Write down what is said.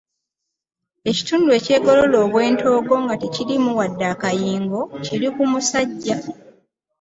Ekitundu ekyegolola obwentoogo nga tekiriimu wadde akayingo kiri ku musajja.